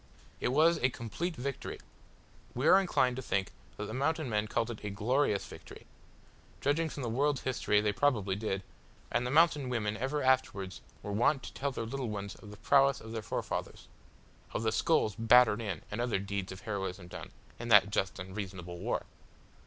It was a complete victory. We are inclined to think that the Mountain men called it a "glorious" victory. Judging from the world's history they probably did, and the mountain women ever afterwards were wont to tell their little ones of the prowess of their forefathers of the skulls battered in and other deeds of heroism done in that just and reasonable war!